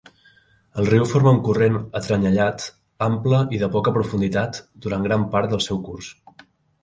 El riu forma un corrent atrenyellat ample i de poca profunditat durant gran part del seu curs.